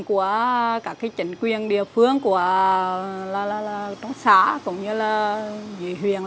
của các chính quyền địa phương trong xã cũng như dưới huyền